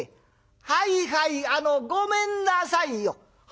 「はいはいあのごめんなさいよ」。